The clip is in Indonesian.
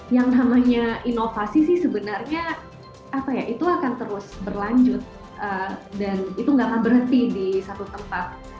yang namanya inovasi sih sebenarnya apa ya itu akan terus berlanjut dan itu gak akan berhenti di satu tempat